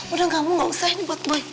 udah kamu gak usah ini buat baik